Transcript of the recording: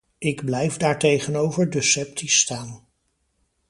Ik blijf daartegenover dus sceptisch staan.